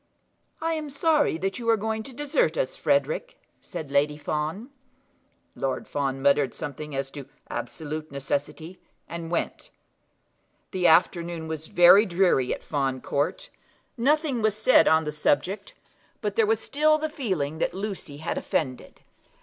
"I am sorry that you are going to desert us, Frederic," said Lady Fawn. Lord Fawn muttered something as to absolute necessity, and went. The afternoon was very dreary at Fawn Court. Nothing was said on the subject; but there was still the feeling that Lucy had offended.